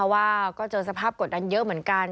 ว่าก็เจอสภาพกดดันเยอะเหมือนกัน